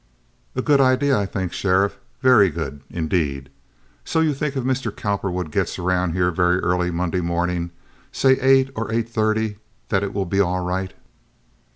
"A good idea, I think, Sheriff. Very good, indeed. So you think if Mr. Cowperwood gets around here very early Monday morning, say eight or eight thirty, that it will be all right?"